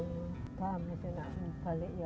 mbah mesti nanti balik ya